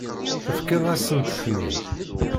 Tefkiḍ-asent-ten-id.